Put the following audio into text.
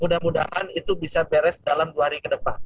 mudah mudahan itu bisa beres dalam dua hari ke depan